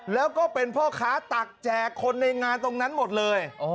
แล้วก็เป็นพ่อค้าตักแจกคนในงานตรงนั้นหมดเลย